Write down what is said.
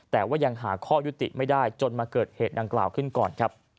แต่ว่ายังหาข้อยุติไม่ได้จนมาเกิดเหตุดังกล่าวขึ้นก่อนครับ